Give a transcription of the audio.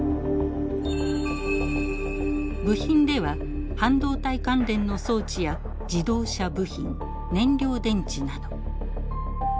部品では半導体関連の装置や自動車部品燃料電池など。